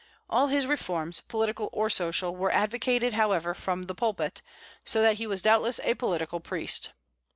All his reforms, political or social, were advocated, however, from the pulpit; so that he was doubtless a political priest.